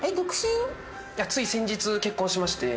つい先日結婚しまして。